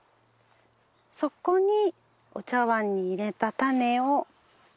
そこにお茶わんに入れた種を。